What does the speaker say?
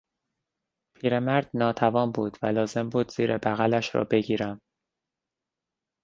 پیرمرد ناتوان بود و لازم بود زیر بغلش را بگیرم.